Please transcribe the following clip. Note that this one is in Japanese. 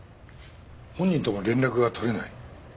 本人とも連絡が取れない？